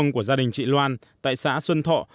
của gia đình chị loan tại xã xuân thọ